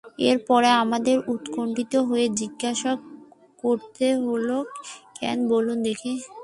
এর পরে আমাকে উৎকণ্ঠিত হয়ে জিজ্ঞাসা করতে হল, কেন বলুন দেখি।